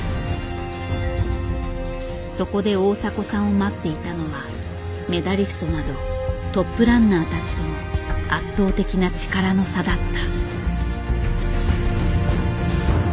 そこで大迫さんを待っていたのはメダリストなどトップランナーたちとの圧倒的な力の差だった。